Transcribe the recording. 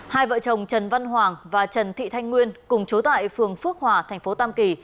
hai vợ chồng trần văn hoàng và trần thị thanh nguyên cùng chú tại phường phước hòa thành phố tam kỳ